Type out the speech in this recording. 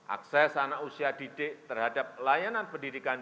akses anak usia didik terhadap layanan pendidikan